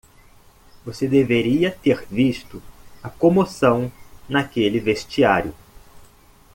Você deveria ter visto a comoção naquele vestiário.